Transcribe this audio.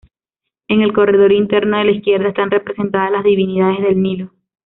En el corredor interno de la izquierda están representadas las divinidades del Nilo.